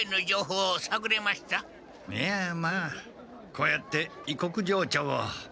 こうやって異国情緒を。